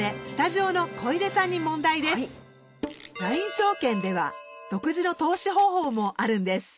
証券では独自の投資方法もあるんです。